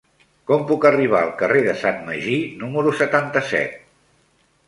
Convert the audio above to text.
Com puc arribar al carrer de Sant Magí número setanta-set?